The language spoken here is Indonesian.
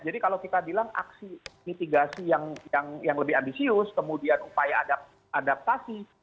jadi kalau kita bilang aksi mitigasi yang lebih ambisius kemudian upaya adaptasi